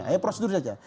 hanya prosedur saja